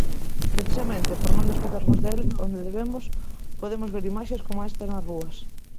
Precisamente por non desfacernos del onde debemos, podemos ver imaxes coma esta nas rúas.